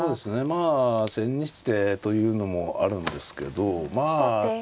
まあ千日手というのもあるんですけどま